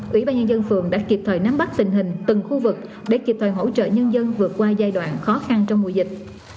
ủy ban nhân dân phường đã kịp thời nắm bắt tình hình từng khu vực để kịp thời hỗ trợ nhân dân vượt qua giai đoạn khó khăn trong mùa dịch